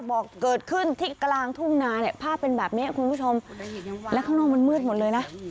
บอกเกิดขึ้นที่กลางทุ่งนาเนี่ยภาพเป็นแบบนี้คุณผู้ชมและข้างนอกมันมืดหมดเลยนะ